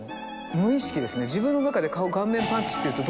無意識ですね。